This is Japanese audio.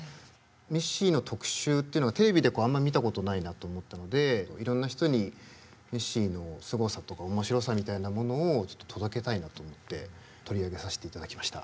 ミッシーの特集ってのはテレビであんま見たことないなと思ったのでいろんな人にミッシーのすごさとか面白さみたいなものをちょっと届けたいなと思って取り上げさせていただきました。